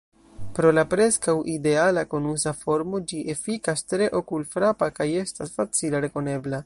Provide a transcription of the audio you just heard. Pro la preskaŭ ideala konusa formo ĝi efikas tre okulfrapa kaj estas facile rekonebla.